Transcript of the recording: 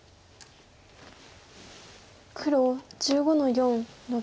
黒１５の四ノビ。